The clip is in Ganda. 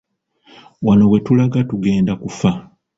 Wano wetulaga tugenda kufa.